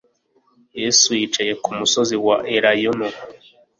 Yesu yicaye ku musozi wa Elayono